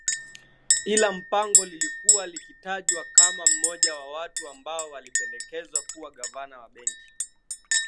la Mpango lilikuwa likitajwa kama mmoja wa watu ambao walipendekezwa kuwa Gavana wa Benki